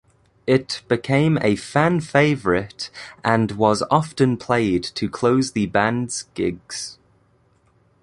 It became a fan favourite and was often played to close the band's gigs.